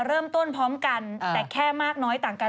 เริ่มต้นพร้อมกันแต่แค่มากน้อยต่างกัน